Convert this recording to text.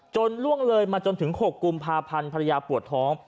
ล่วงเลยมาจนถึง๖กุมภาพันธ์ภรรยาปวดท้อง